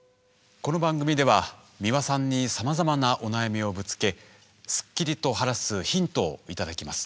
この番組では美輪さんにさまざまなお悩みをぶつけスッキリと晴らすヒントを頂きます。